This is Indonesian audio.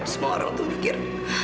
semua orang tuh mikir